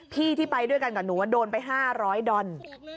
พี่ที่ไปด้วยกันกับหนูโดนไป๕๐๐ดอน